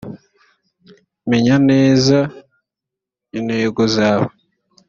menya neza intego zawe